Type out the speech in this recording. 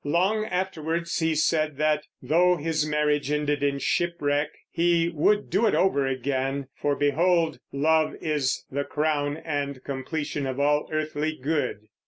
Long afterwards he said that, though his marriage ended in shipwreck, he "would do it over again; for behold Love is the crown and completion of all earthly good."